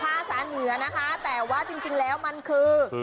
ภาษาเหนือนะคะแต่ว่าจริงแล้วมันคือ